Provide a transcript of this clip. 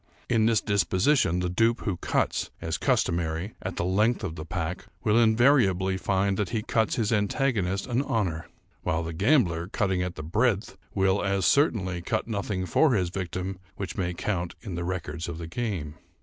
In this disposition, the dupe who cuts, as customary, at the length of the pack, will invariably find that he cuts his antagonist an honor; while the gambler, cutting at the breadth, will, as certainly, cut nothing for his victim which may count in the records of the game.